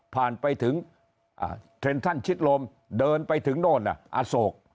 ผ่านไปถึงเทรนทรัลชิดลมเดินไปถึงโน่นอสโกค